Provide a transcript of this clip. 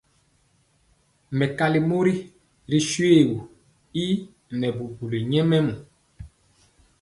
Mɛkali mori ri shuegɔ y nɛɛbubuli nyɛmemɔ.